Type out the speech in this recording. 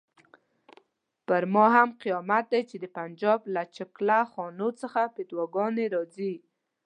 پر ما هم قیامت دی چې د پنجاب له چکله خانو څخه فتواګانې راځي.